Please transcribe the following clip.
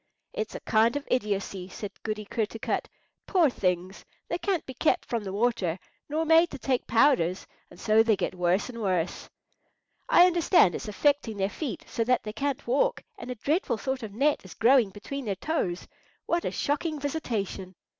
"It's a kind of idiocy," said Goody Kertarkut. "Poor things! they can't be kept from the water, nor made to take powders, and so they get worse and worse." "I understand it's affecting their feet so that they can't walk, and a dreadful sort of net is growing between their toes. What a shocking visitation!"